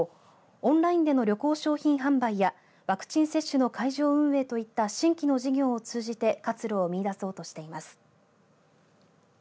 オンラインでの旅行商品販売やワクチン接種の会場運営といった新規の事業を通じて活路を見いだそうとしています。